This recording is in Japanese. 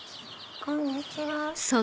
こんにちは。